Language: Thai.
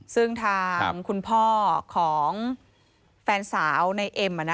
ซึ่งทางคุณพ่อของแฟนสาวในเอ็ม